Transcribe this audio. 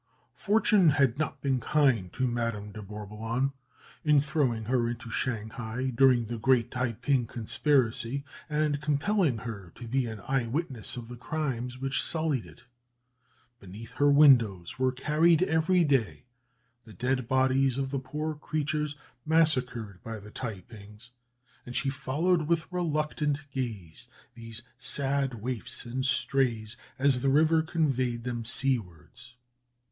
Fortune had not been kind to Madame de Bourboulon in throwing her into Shanghai during the great Taïping conspiracy, and compelling her to be an eye witness of the crimes which sullied it. Beneath her windows were carried every day the dead bodies of the poor creatures massacred by the Taïpings, and she followed with reluctant gaze these sad "waifs and strays" as the river conveyed them seawards.